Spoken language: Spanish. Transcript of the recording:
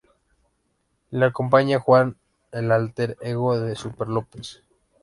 Le acompaña Juan, el álter ego de Superlópez.